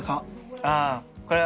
あこれは。